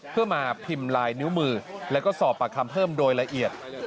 เพื่อมาพิมพ์ลายนิ้วมือแล้วก็สอบปากคำเพิ่มโดยละเอียด